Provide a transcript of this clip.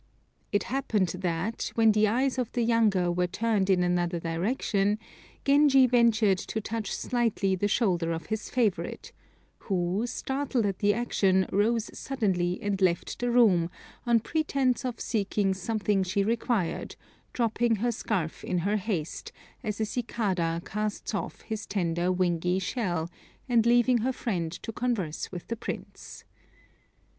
It happened that, when the eyes of the younger were turned in another direction, Genji ventured to touch slightly the shoulder of his favorite, who, startled at the action rose suddenly and left the room, on pretence of seeking something she required, dropping her scarf in her haste, as a cicada casts off its tender wingy shell, and leaving her friend to converse with the Prince.